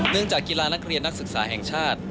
จากกีฬานักเรียนนักศึกษาแห่งชาติ